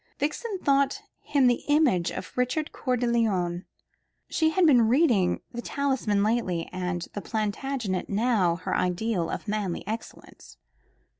Vixen thought him the image of Richard Coeur de Lion. She had been reading "The Talisman" lately, and the Plantagenet was her ideal of manly excellence.